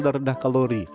dan rendah kalori